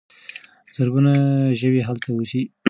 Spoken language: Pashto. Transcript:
زرګونه ژوي هلته اوسي.